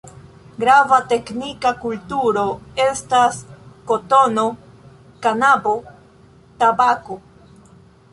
Grava teknika kulturo estas kotono, kanabo, tabako.